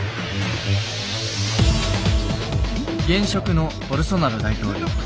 現職のボルソナロ大統領。